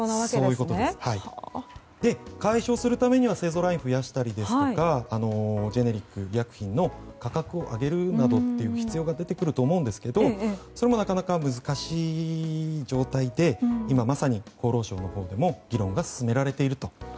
それを解消するためには製造ラインを増やしたりジェネリック医薬品の価格を上げるなどという必要が出てくると思うんですがそれもなかなか難しい状態で今まさに厚労省でも議論が進められていると。